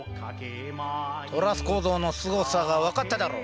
トラス構造のすごさが分かっただろ。